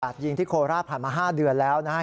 กระจ่ายเย็นทีโคลราศผ่านมา๕เดือนแล้วนะครับ